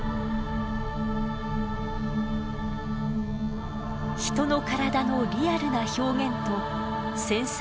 人の体のリアルな表現と繊細な衣服のひだ。